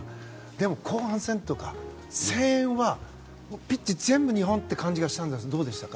でも、後半戦とかの声援はピッチ全部が日本って感じがしたんですけどどうでしたか？